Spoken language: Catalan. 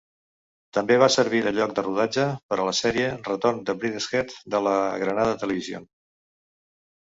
També va servir de lloc de rodatge per a la sèrie "Retorn a Brideshead" de la Granada Television.